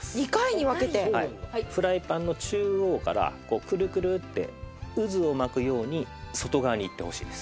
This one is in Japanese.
フライパンの中央からクルクルって渦を巻くように外側にいってほしいです。